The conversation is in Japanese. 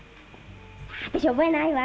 私、覚えないわ。